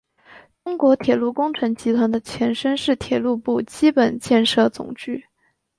中国铁路工程集团的前身是铁道部基本建设总局。